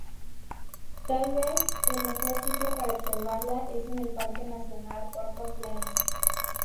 Tal vez el mejor sitio para observarla es en el parque nacional Horton Plains.